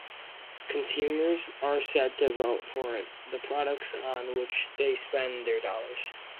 Consumers are said to vote for the products on which they spend their dollars.